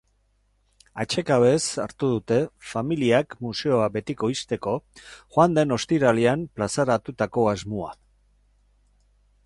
Atsekabez hartu dute familiak museoa betiko ixteko joan den ostiralean plazaratutako asmoa.